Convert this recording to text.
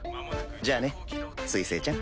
じゃあね水星ちゃん。